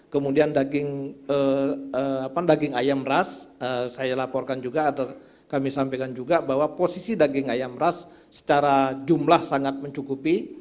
kemudian daging ayam ras saya laporkan juga atau kami sampaikan juga bahwa posisi daging ayam ras secara jumlah sangat mencukupi